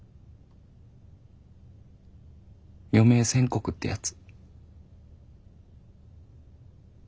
余命宣告ってやつ。